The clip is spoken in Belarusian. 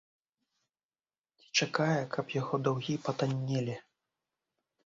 Ці чакае, каб яго даўгі патаннелі.